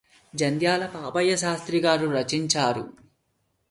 జంధ్యాల పాపయ్యశాస్త్రిగారు రచించారు